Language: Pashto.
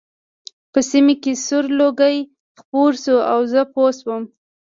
په سیمه کې سور لوګی خپور شو او زه پوه شوم